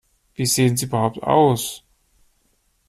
Wie sehen Sie überhaupt aus?